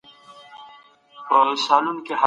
بادام د حافظې لپاره ښه دي.